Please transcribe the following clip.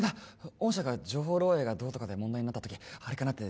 御社が情報漏えいがどうとかで問題になった時あれかなって